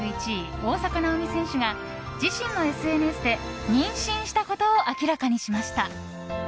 大坂なおみ選手が自身のＳＮＳで妊娠したことを明らかにしました。